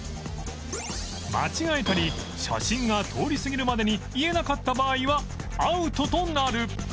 間違えたり写真が通り過ぎるまでに言えなかった場合はアウトとなる